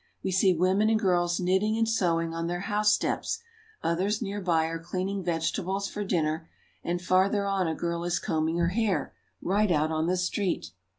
We see women and girls knitting and sewing on their house steps, others near by are cleaning vegetables for dinner, and farther on a girl is combing her hair, right out on the street.